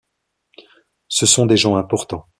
Ce sont des gens importants.